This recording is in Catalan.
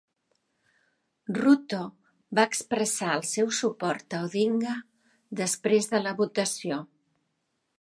Ruto va expressar el seu suport a Odinga després de la votació.